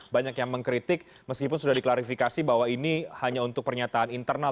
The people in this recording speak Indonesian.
banyak yang mengkritik meskipun sudah diklarifikasi bahwa ini hanya untuk pernyataan internal